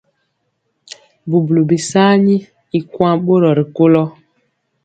Bubuli bisaani y kuan bori rikolo.